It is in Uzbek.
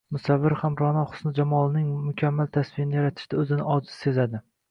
musavvir ham Ra’no husni-jamolining mukammal tasvirini yaratishda o’zini ojiz sezadi